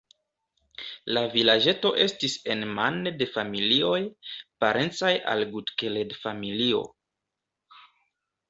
La vilaĝeto estis enmane de familioj, parencaj al Gut-Keled-familio.